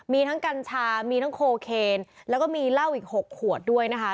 มีทั้งกัญชามีทั้งโคเคนแล้วก็มีเหล้าอีก๖ขวดด้วยนะคะ